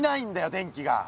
電気が。